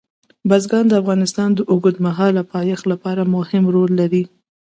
بزګان د افغانستان د اوږدمهاله پایښت لپاره مهم رول لري.